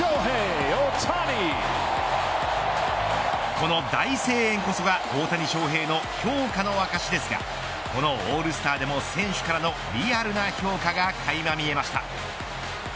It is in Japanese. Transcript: この大声援こそが、大谷翔平の評価の証しですがこのオールスターでも選手からのリアルな評価がかいま見えました。